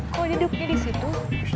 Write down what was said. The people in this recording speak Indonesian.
kok duduknya di situ